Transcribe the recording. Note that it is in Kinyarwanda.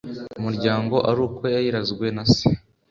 umuryango ari uko yayirazwe na se